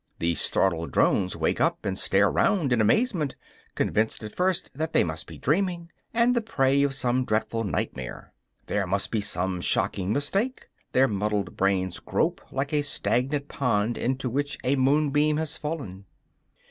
The startled drones wake up, and stare round in amazement, convinced at first that they must be dreaming, and the prey of some dreadful nightmare. There must be some shocking mistake; their muddled brains grope like a stagnant pond into which a moonbeam has fallen.